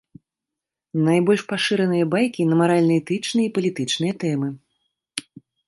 Найбольш пашыраныя байкі на маральна-этычныя і палітычныя тэмы.